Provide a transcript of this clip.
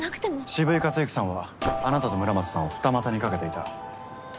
渋井克行さんはあなたと村松さんを二股にかけていた。